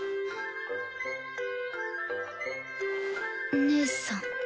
義姉さん。